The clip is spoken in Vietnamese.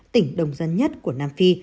tỉnh đồng dân nhất của nam phi